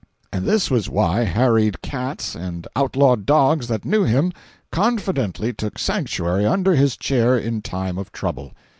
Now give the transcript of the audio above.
And this was why harried cats and outlawed dogs that knew him confidently took sanctuary under his chair in time of trouble.